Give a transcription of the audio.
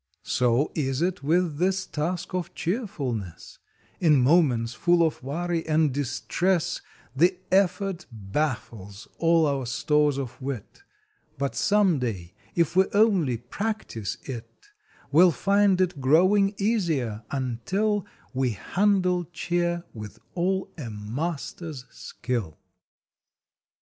So is it with this task of cheerfulness In moments full of worry and distress The effort baffles all our stores of wit, But some day, if we only practice it, We ll find it growing easier until We handle cheer with all a Master s skill.